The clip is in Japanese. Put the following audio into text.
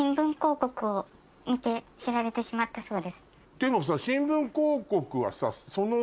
でもさ。